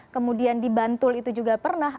kemudian di bantul itu juga pernah